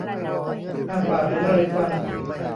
อ้าปากเห็นไรฟัน